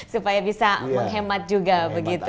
supaya bisa menghemat juga begitu